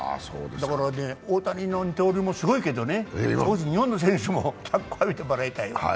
だからね、大谷の二刀流もすごいけどね、日本の選手も脚光を浴びてもらいたい。